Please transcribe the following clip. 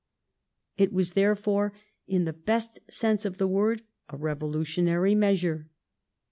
It was, therefore, in the best sense of the word, a revolutionary measure.